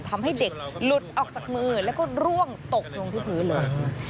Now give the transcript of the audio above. ทำให้เด็กหลุดออกจากมือแล้วก็ร่วงตกลงที่พื้นเลย